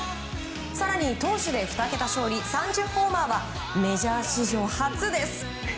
更に、投手で２桁勝利３０ホーマーはメジャー史上初です。